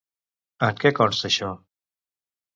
En què consta això?